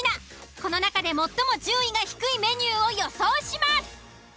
この中で最も順位が低いメニューを予想します。